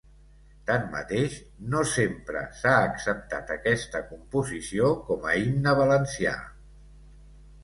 Tanmateix, no sempre s'ha acceptat aquesta composició com a himne valencià.